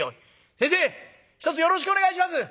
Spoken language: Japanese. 「先生ひとつよろしくお願いします。